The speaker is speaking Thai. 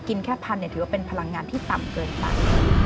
แค่พันถือว่าเป็นพลังงานที่ต่ำเกินไป